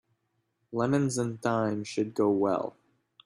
Lemons and thyme should go well.